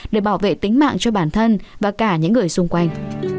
để bảo vệ tính mạng cho bản thân và cả những người xung quanh